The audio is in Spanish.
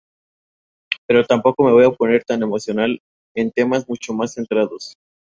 Pero tampoco me voy a poner tan emocional en temas mucho más centrados.